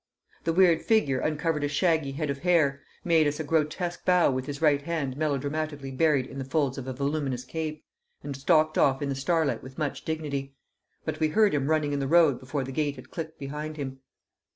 The weird figure uncovered a shaggy head of hair, made us a grotesque bow with his right hand melodramatically buried in the folds of a voluminous cape, and stalked off in the starlight with much dignity. But we heard him running in the road before the gate had clicked behind him.